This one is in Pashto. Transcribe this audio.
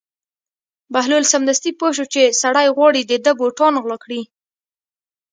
بهلول سمدستي پوه شو چې سړی غواړي د ده بوټان غلا کړي.